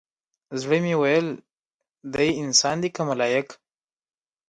زړه مې ويل دى انسان دى كه ملايك؟